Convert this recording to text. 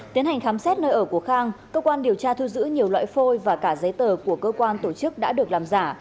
tiến hành khám xét nơi ở của khang cơ quan điều tra thu giữ nhiều loại phôi và cả giấy tờ của cơ quan tổ chức đã được làm giả